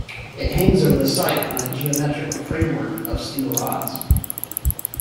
It hangs over the site on a geometrical framework of steel rods.